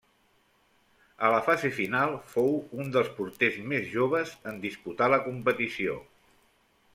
A la fase final fou un dels porters més joves en disputar la competició.